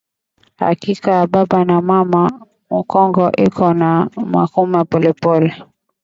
Haki ya ba mama mu kongo iko na lamuka pole pole